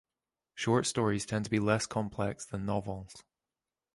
Short stories tend to be less complex than novels.